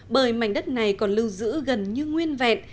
bởi mảnh đất này còn lưu giữ gần như nguyên vẹn